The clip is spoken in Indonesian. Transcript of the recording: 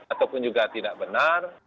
ataupun juga tidak benar